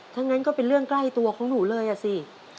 ถ้างั้นก็เป็นเรื่องใกล้ตัวของหนูเลยอ่ะสิ